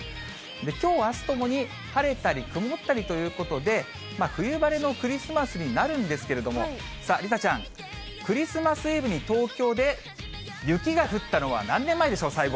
きょう、あすともに晴れたり曇ったりということで、冬晴れのクリスマスになるんでけれども、さあ、梨紗ちゃん、クリスマス・イブに東京で雪が降ったのは何年前でしょう、最後。